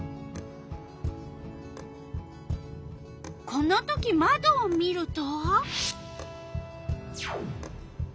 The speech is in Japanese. このときまどを見ると？